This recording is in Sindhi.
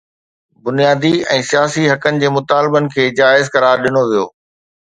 بنيادي ۽ سياسي حقن جي مطالبن کي جائز قرار ڏنو ويو.